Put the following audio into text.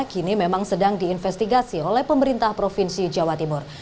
kini memang sedang diinvestigasi oleh pemerintah provinsi jawa timur